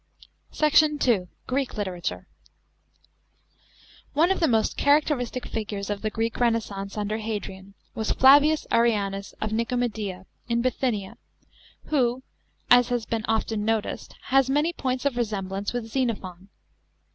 * SECT. II. — GREEK LITERATURE. § 8. One of the most characteristic figures of the Greek renais sance under Hadrian was FLAVIUS ARRIANUS of Nicomedia, in Bi thynia, who, as has been often noticed, has many points of resemblance with Xenophon.